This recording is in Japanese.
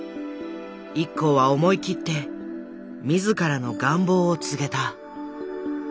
ＩＫＫＯは思い切って自らの願望を告げた。